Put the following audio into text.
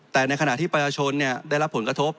แต่ในขณะที่ประชาชนได้รับผลกระทบ